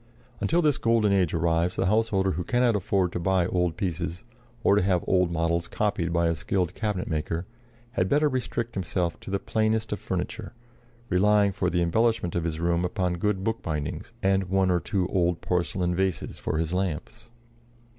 Until this golden age arrives the householder who cannot afford to buy old pieces, or to have old models copied by a skilled cabinet maker, had better restrict himself to the plainest of furniture, relying for the embellishment of his room upon good bookbindings and one or two old porcelain vases for his lamps.